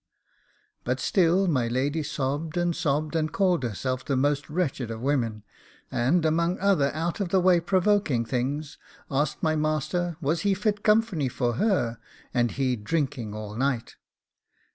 But still my lady sobbed and sobbed, and called herself the most wretched of women; and among other out of the way provoking things, asked my master, was he fit company for her, and he drinking all night?